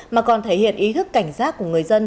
mà còn thể hiện ý thức cảnh giác của người dân